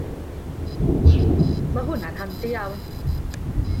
Mae hwnna'n handi iawn.